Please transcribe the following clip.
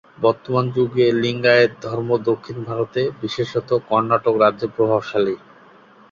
বর্তমান যুগে লিঙ্গায়েত ধর্ম দক্ষিণ ভারতে, বিশেষত কর্ণাটক রাজ্যে প্রভাবশালী।